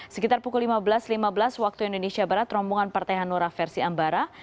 sekitar pukul lima belas lima belas waktu indonesia barat rombongan partai hanura versi ambara